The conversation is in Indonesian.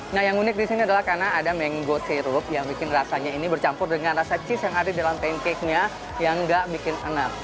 nah yang unik disini adalah karena ada mango syrup yang bikin rasanya ini bercampur dengan rasa cheese yang ada di dalam pancakenya yang nggak bikin enak